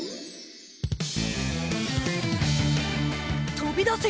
とびだせ！